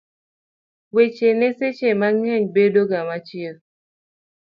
weche ne seche mang'eny bedo ga machiek